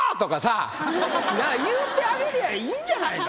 言うてあげりゃいいんじゃないの？